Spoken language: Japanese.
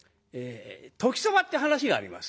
「時そば」って噺があります。